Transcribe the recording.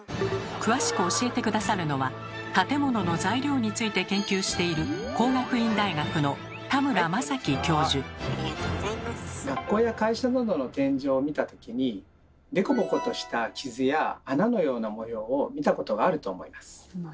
詳しく教えて下さるのは建物の材料について研究している学校や会社などの天井を見た時にデコボコとしたキズや穴のような模様を見たことがあると思います。